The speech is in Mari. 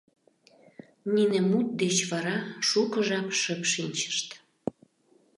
Нине мут деч вара шуко жап шып шинчышт.